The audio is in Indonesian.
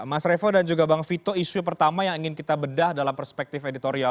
mas revo dan juga bang vito isu pertama yang ingin kita bedah dalam perspektif editorial